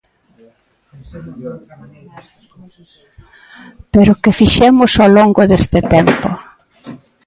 ¿Pero que fixemos ao longo deste tempo?